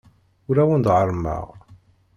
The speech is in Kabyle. Ur awen-d-ɣerrmeɣ.